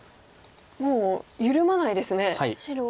もう緩まないですね。